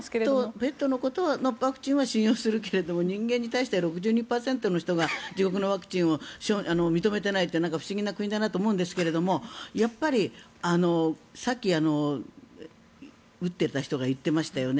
ペットのワクチンは信用するけれども人間に対しては６２％の人が自分の国のワクチンを認めていないって不思議な国だなと思うんですがやっぱりさっき、打っていた人が言っていましたよね。